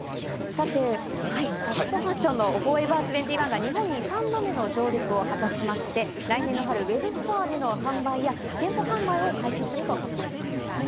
さて、ファストファッションのＦＯＲＥＶＥＲ２１が日本に３度目の上陸を果たしまして、来年の春ウェブストアでの販売や店舗販売を開始すると発表しました。